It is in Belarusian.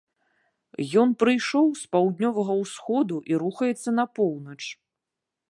Ён прыйшоў з паўднёвага ўсходу і рухаецца на поўнач.